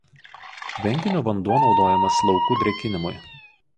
Tvenkinio vanduo naudojamas laukų drėkinimui.